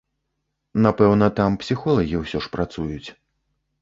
Напэўна, там псіхолагі ўсё ж працуюць.